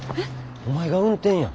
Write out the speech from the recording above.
お前が運転や。